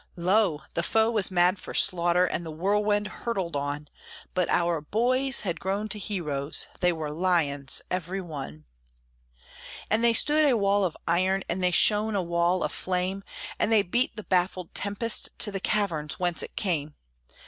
Lo! the foe was mad for slaughter, And the whirlwind hurtled on; But our boys had grown to heroes, They were lions, every one. And they stood a wall of iron, And they shone a wall of flame, And they beat the baffled tempest To the caverns whence it came.